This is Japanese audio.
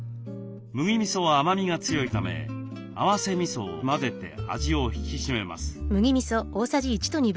麦みそは甘みが強いため合わせみそを混ぜて味を引き締めます。